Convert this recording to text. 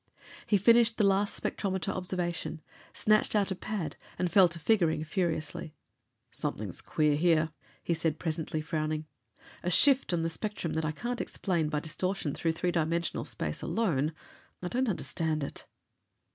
He finished the last spectrometer observation, snatched out a pad and fell to figuring furiously. "Something queer here," he said presently, frowning. "A shift of the spectrum that I can't explain by distortion through three dimensional space alone. I don't understand it."